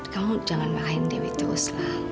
kamu jangan marahin dewi teruslah